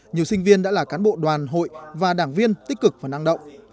nhiều sinh viên đã là cán bộ đoàn hội và đảng viên tích cực và năng động